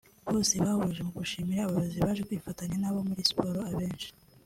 bose bahurije mu gushimira abayobozi baje kwifatanya na bo muri siporo ari benshi